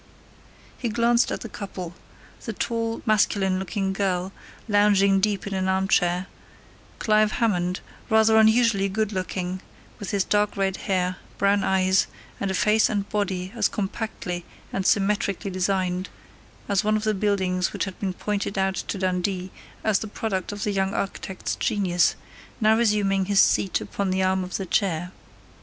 He glanced at the couple the tall, masculine looking girl, lounging deep in an armchair, Clive Hammond, rather unusually good looking with his dark red hair, brown eyes, and a face and body as compactly and symmetrically designed as one of the buildings which had been pointed out to Dundee as the product of the young architect's genius, now resuming his seat upon the arm of the chair.